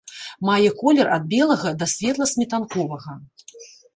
Мае колер ад белага да светла-сметанковага.